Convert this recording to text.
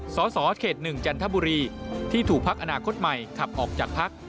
สสเขต๑จันทบุรีที่ถูกพักอนาคตใหม่ขับออกจากพัก